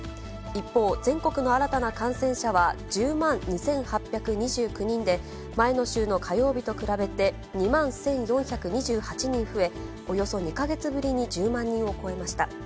一方、全国の新たな感染者は１０万２８２９人で、前の週の火曜日と比べて２万１４２８人増え、およそ２か月ぶりに１０万人を超えました。